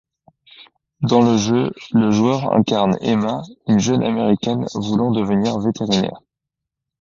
Dans le jeu, le joueur incarne Emma, une jeune Américaine voulant devenir vétérinaire.